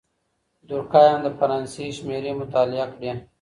دورکهايم د فرانسې شمېرې مطالعه کړې.